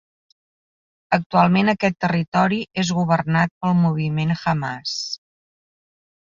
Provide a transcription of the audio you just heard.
Actualment aquest territori és governat pel moviment Hamàs.